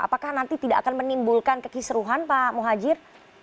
apakah nanti tidak akan menimbulkan kekisruhan pak muhajir